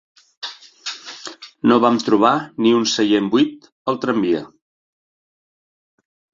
No vam trobar ni un seient buit, al tramvia.